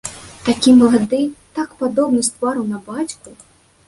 Такі малады, так падобны з твару на бацьку.